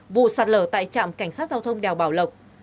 vụ sạt lở tại trạm cảnh sát giao thông đèo bảo lộc